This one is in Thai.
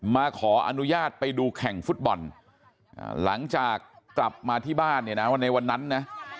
มาขออนุญาตไปดูแข่งฟุตบอลหลังจากกลับมาที่บ้านเนี่ยนะว่าในวันนั้นนะ